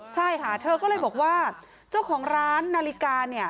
ใช่ค่ะเธอก็เลยบอกว่าเจ้าของร้านนาฬิกาเนี่ย